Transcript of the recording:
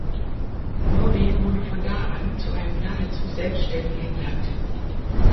Norwegen wurde von da an zu einem nahezu selbstständigen Land.